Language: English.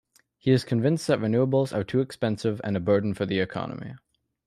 He is convinced that renewables are too expensive and a burden for the economy.